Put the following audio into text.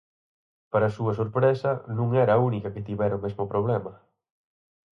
Para a súa sorpresa, non era a única que tivera o mesmo problema.